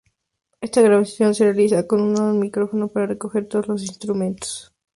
Esta grabación se realiza con un solo micrófono para recoger todos los instrumentos.